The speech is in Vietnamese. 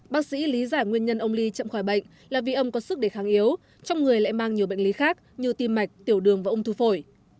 bác sĩ lý giải nguyên nhân ông ly chậm khỏi bệnh là vì ông có sức đề kháng yếu trong người lại mang nhiều bệnh lý khác như tim mạch tiểu đường và ung thư phổi